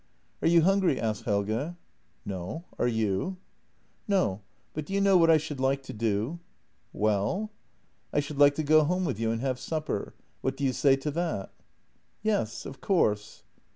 " Are you hungry? " asked Helge. " No; are you? " "No — but do you know what I should like to do?" "Well?" " I should like to go home with you and have supper. What do you say to that? "" Yes, of course."